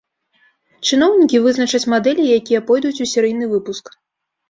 Чыноўнікі вызначаць мадэлі, якія пойдуць у серыйны выпуск.